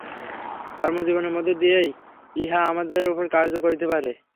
কর্মজীবনের মধ্য দিয়াই ইহা আমাদের উপর কার্য করিতে পারে।